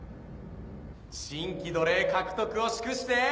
新規奴隷獲得を祝して。